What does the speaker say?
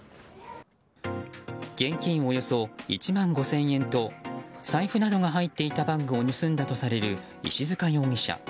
現金およそ１万５０００円と財布などが入っていたバッグを盗んだとされる石塚容疑者。